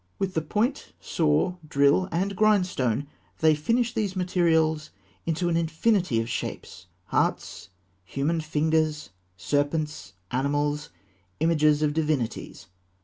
With the point, saw, drill, and grindstone, they fashioned these materials into an infinity of shapes hearts, human fingers, serpents, animals, images of divinities.